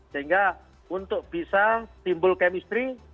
sehingga untuk bisa timbul chemistry